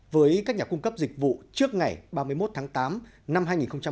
với các nhà cung cấp dịch vụ trước ngày ba mươi một tháng tám năm hai nghìn hai mươi